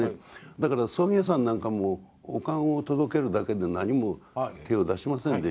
だから葬儀屋さんなんかもお棺を届けるだけで何も手を出しませんでした。